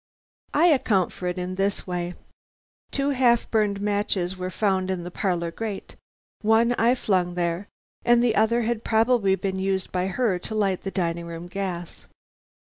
I account for it in this way: Two half burned matches were found in the parlor grate. One I flung there; the other had probably been used by her to light the dining room gas.